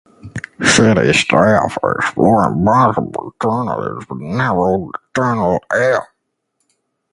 City staff are exploring possible alternatives but have not ruled the tunnel out.